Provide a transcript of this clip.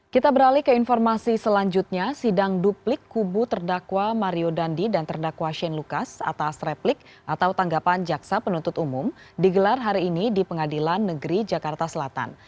kita beralih ke informasi selanjutnya sidang duplik kubu terdakwa mario dandi dan terdakwa shane lucas atas replik atau tanggapan jaksa penuntut umum digelar hari ini di pengadilan negeri jakarta selatan